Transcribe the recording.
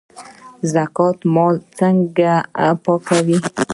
زکات مال څنګه پاکوي؟